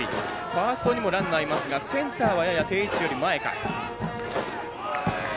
ファーストにもランナーがいますがセンターはやや定位置より前か。